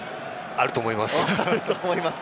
あると思います。